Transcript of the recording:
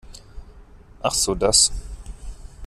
Ach so das.